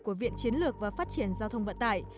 của viện chiến lược và phát triển giao thông vận tải